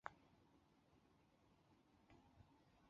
应天府乡试第二名。